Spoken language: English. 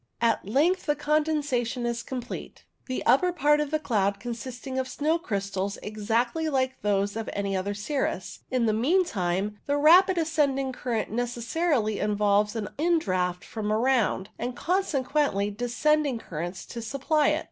At length the condensation is complete, the upper part of the cloud consisting of snow crystals exactly like those of any other cirrus. In the mean time, the rapid ascending current necessarily involves an indraught from around, and consequent descending currents to supply it.